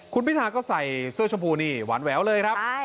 คุณพิธาก็ใส่เสื้อชมพูนี่หวานแหววเลยครับ